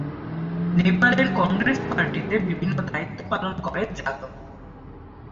নেপালের কংগ্রেস পার্টিতে বিভিন্ন দায়িত্ব পালন করে যাদব।